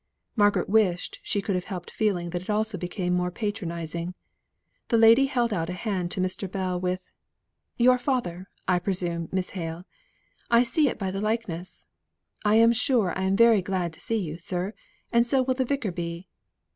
Margaret wished she could have helped feeling that it also became more patronizing. The lady held out a hand to Mr. Bell, with, "Your father, I presume, Miss Hale. I see it by the likeness. I am sure I am very glad to see you, sir, and so will the Vicar be."